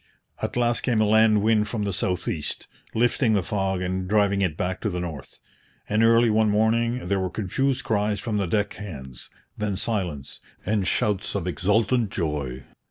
At last came a land wind from the south east, lifting the fog and driving it back to the north. And early one morning there were confused cries from the deck hands then silence then shouts of exultant joy!